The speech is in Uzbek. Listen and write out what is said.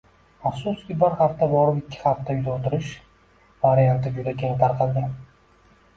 Afsuski, “bir hafta borib, ikki hafta uyda o‘tirish” varianti juda keng tarqalgan.